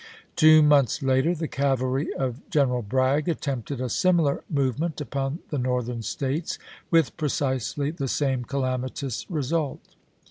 Two months later the cavalry of General Bragg attempted a similar movement upon the Northern States with precisely the same calamitous result.